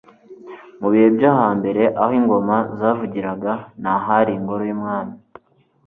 mu bihe byo ha mbere Aho ingoma zavugiraga ni ahari ingoro y'umwami